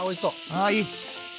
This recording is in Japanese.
ああいい！